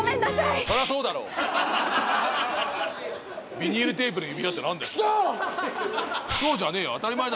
ビニールテープの指輪って何だよ？